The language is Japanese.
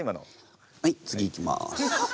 はい次いきます。